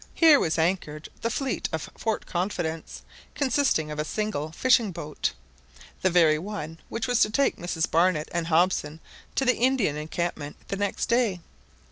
Here was anchored the fleet of Fort Confidence, consisting of a single fishing boat—the very one which was to take Mrs Barnett and Hobson to the Indian encampment the next day.